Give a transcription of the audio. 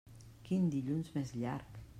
Quin dilluns més llarg!